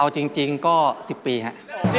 เอาจริงก็๑๐ปีครับ